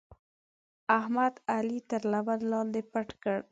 احمد؛ علي تر لمن لاندې پټ کړ.